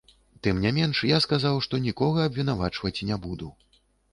Тым не менш, я сказаў, што нікога абвінавачваць не буду.